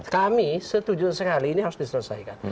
kami setuju sekali ini harus diselesaikan